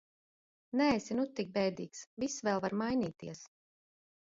Neesi nu tik bēdīgs, viss vēl var mainīties!